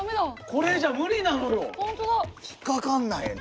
これじゃ無理なのよ。